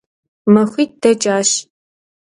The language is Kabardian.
Maxuit' têç'aş.